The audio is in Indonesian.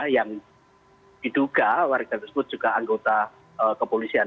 yang diduga warga tersebut juga anggota kepolisian